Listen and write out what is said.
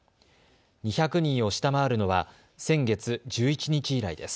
２００人を下回るのは先月１１日以来です。